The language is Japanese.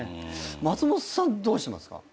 松本さんどうしますか？